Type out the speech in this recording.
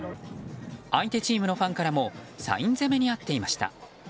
相手チームのファンからもサイン攻めにあっていました。